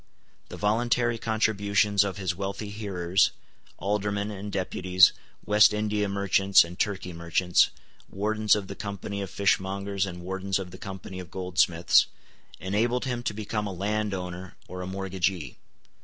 The voluntary contributions of his wealthy hearers, Aldermen and Deputies, West India merchants and Turkey merchants, Wardens of the Company of Fishmongers and Wardens of the Company of Goldsmiths, enabled him to become a landowner or a mortgagee.